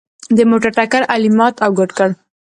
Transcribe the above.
د موټر ټکر علي مات او ګوډ کړ.